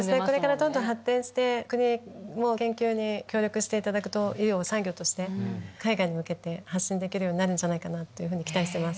どんどん発展して国も研究に協力していただくと医療を産業として海外に向けて発信できるようになるんじゃないかと期待してます。